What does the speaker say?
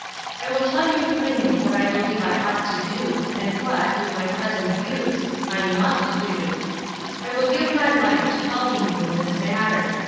I will tell you plainly what I believe I ought to do, and what, with my present views, I must do. I will give my life to helping you in this matter.